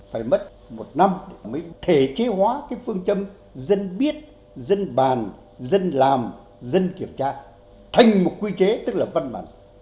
phải mất một năm mới thể chế hóa cái phương châm dân biết dân bàn dân làm dân kiểm tra thành một quy chế tức là văn bản